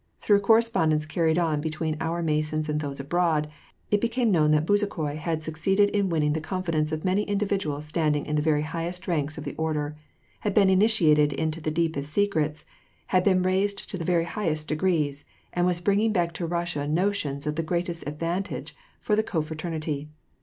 Through correspondence carried on between our Masons and those abroad, it became known that Bezukhoi had succeeded in winning the confidence of many individuals standing in the very highest ranks of the Order, had been initiated into the deepest secrets, had been raised to the very highest degrees, and was bringing back to Russia notions of the greatest advantage for the Confraternity.